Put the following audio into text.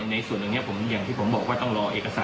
ในส่วนอันนี้อย่างที่ผมบอกว่าต้องรอ